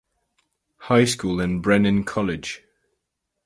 High School and Brennen College.